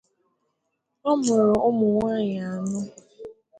Ọ muru ụmụ nwanyị anọ.